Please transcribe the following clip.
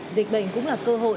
dịch bệnh cũng là cơ hội